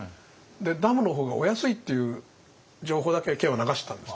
ダムの方がお安いっていう情報だけを県は流してたんですね。